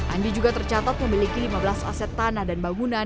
andi juga tercatat memiliki lima belas aset tanah dan bangunan